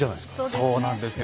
そうなんですよ。